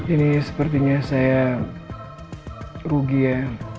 ini sepertinya saya rugi ya